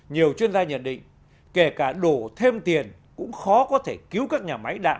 nhiều chuyên gia nhận định kể cả đổ thêm tiền cũng khó có thể cứu các nhà máy đạ